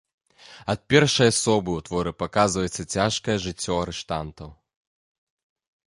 Ад першай асобы ў творы паказваецца цяжкае жыццё арыштантаў.